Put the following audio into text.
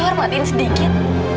kamu harus hormatin sedikit